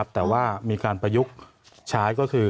แต่ว่ามีการประยุกต์ใช้ก็คือ